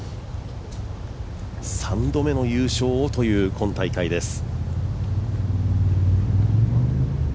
３度目の優勝をという今大会です。